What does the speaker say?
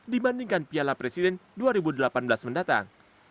dibandingkan piala presiden dua ribu delapan belas mendatang